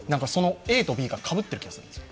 ＡとＢがかぶってる気がするんです。